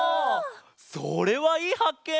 それはいいはっけん！